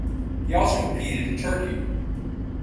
He also competed in Turkey.